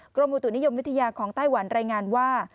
กรมอุตุนิยมวิทยาของไต้หวันรายงานว่า